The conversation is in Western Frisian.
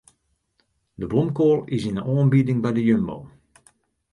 De blomkoal is yn de oanbieding by de Jumbo.